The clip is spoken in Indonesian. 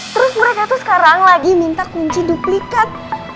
terus mereka tuh sekarang lagi minta kunci duplikat